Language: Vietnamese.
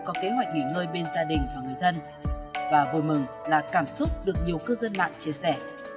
có kế hoạch nghỉ ngơi bên gia đình và người thân và vui mừng là cảm xúc được nhiều cư dân mạng chia sẻ